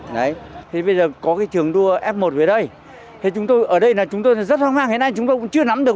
bây giờ có trường đua f một ở đây chúng tôi rất hoang mang hiện nay chúng tôi cũng chưa nắm được